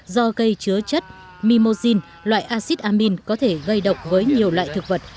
do cây chứa chất mimousine loại acid amine có thể gây độc với nhiều loại thực vật